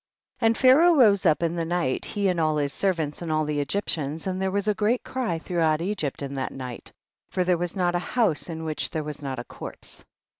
44. And Pharaoh rose up in the night, he and all his servants and all tlie Egyptians, and there was a great cry throughout Egypt in that night, for there was not a house in which there was not a corpse.